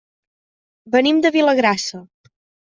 Venim de Vilagrassa.